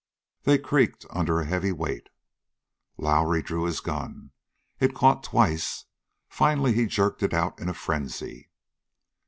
They creaked under a heavy weight. Lowrie drew his gun. It caught twice; finally he jerked it out in a frenzy.